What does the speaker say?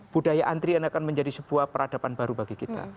budaya antrian akan menjadi sebuah peradaban baru bagi kita